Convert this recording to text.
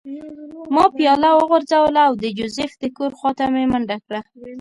ما پیاله وغورځوله او د جوزف د کور خوا ته مې منډه کړه